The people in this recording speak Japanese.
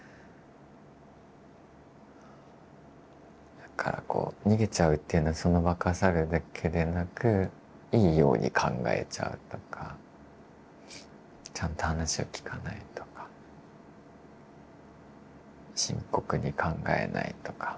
だからこう逃げちゃうっていうのはその場から去るだけでなくいいように考えちゃうとかちゃんと話を聞かないとか深刻に考えないとか。